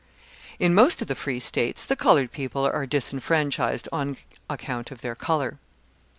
In most of the Free States, the coloured people are disfranchised on account of their colour.